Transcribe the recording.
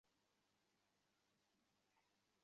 আমরা তাকে সঙ্গে করে নিয়েই এসেছি।